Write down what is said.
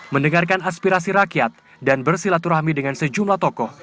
mendengarkan aspirasi rakyat dan bersilaturahmi dengan sejumlah tokoh